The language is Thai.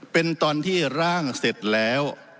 เป็นตอนที่ร่างเสร็จแล้ว